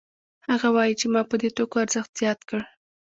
هغه وايي چې ما په دې توکو ارزښت زیات کړ